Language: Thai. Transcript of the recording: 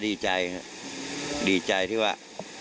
ก็ดีใจดีใจที่ว่า